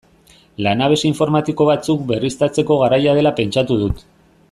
Lanabes informatiko batzuk berriztatzeko garaia dela pentsatu dut.